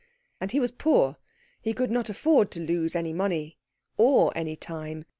And he was poor; he could not afford to lose any money, or any time.